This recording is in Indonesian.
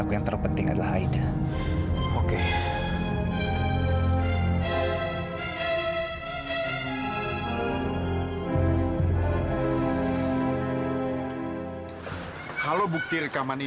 kamu ini mau apa aksan